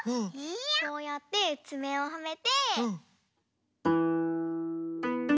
こうやってつめをはめて。